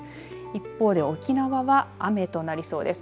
一方で沖縄は雨となりそうです。